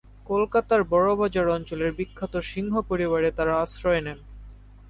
কলকাতার বড়বাজার অঞ্চলের বিখ্যাত সিংহ পরিবারে তারা আশ্রয় নেন।